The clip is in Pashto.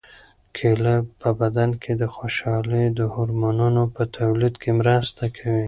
کیله په بدن کې د خوشالۍ د هورمونونو په تولید کې مرسته کوي.